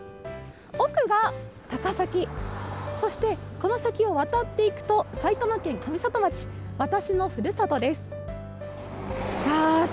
奥が高崎、そしてこの先を渡っていくと埼玉県上里町、私のふるさとです。